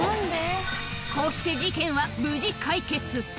こうして事件は無事解決。